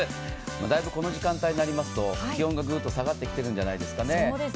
だいぶこの時間帯になりますと気温がぐっと下がってきているんじゃないですかね。